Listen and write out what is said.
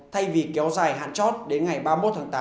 thay vì kéo dài hạn chót đến ngày ba mươi một tháng tám